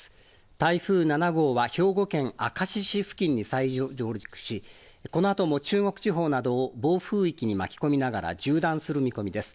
台風７号は兵庫県明石市付近に再上陸しこのあとも中国地方などを暴風域に巻き込みながら縦断する見込みです。